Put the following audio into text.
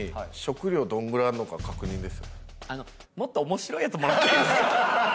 あのもっと面白いやつもらっていいですか？